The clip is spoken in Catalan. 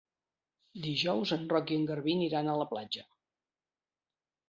Dijous en Roc i en Garbí aniran a la platja.